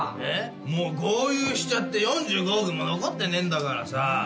もう豪遊しちゃって４５億も残ってねえんだからさ。